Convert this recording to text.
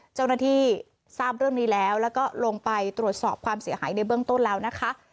เจ้าหน้าที่ทราบเรื่องนี้แล้วแล้วก็ลงไปตรวจสอบความเสียหายในเบื้องต้นแล้วนะคะ